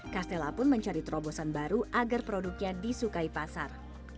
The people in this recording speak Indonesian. castella pun mencari terobosan baru agar produknya disukai pasar